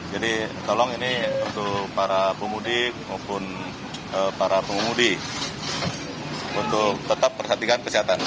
jadi tolong ini untuk para pengumudi maupun para pengumudi untuk tetap pershatikan kesehatan